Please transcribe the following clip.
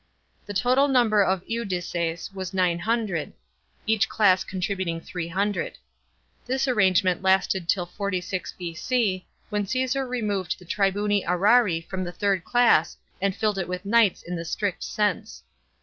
The total number of indices was 900, each class contributing 300. This arrangement lasted till 46 B.C., when Caesar removed the tribuni serarii from the third class and filled it with knights in the strict sense.